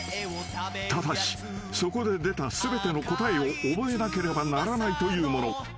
［ただしそこで出た全ての答えを覚えなければならないというもの］